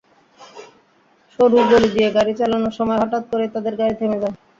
সরু গলি দিয়ে গাড়ি চালানোর সময় হঠাৎ করেই তাঁদের গাড়ি থেমে যায়।